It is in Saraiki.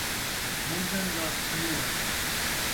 بھون٘ڈݨ دا تھنیا